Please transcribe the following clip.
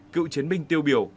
cựu chiến binh tiêu biểu